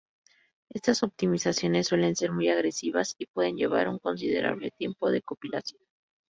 Estas optimizaciones suelen ser muy agresivas y pueden llevar un considerable tiempo de compilación.